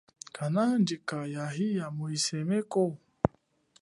Kanahandjika ya iya mu isoneko?